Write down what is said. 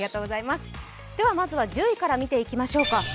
まずは１０位から見ていきましょうか。